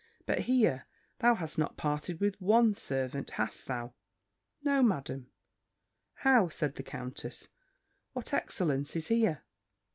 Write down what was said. But, here! thou hast not parted with one servant Hast thou?" "No, Madam." "How!" said the countess; "what excellence is here!